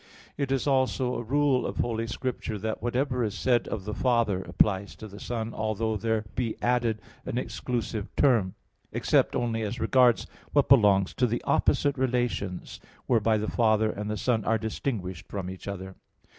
It is also a rule of Holy Scripture that whatever is said of the Father, applies to the Son, although there be added an exclusive term; except only as regards what belongs to the opposite relations, whereby the Father and the Son are distinguished from each other.